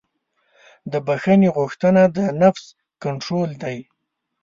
د بښنې غوښتنه د نفس کنټرول دی.